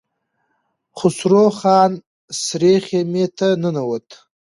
خسرو خان سرې خيمې ته ننوت.